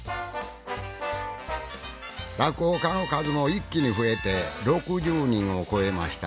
落語家の数も一気に増えて６０人を超えました。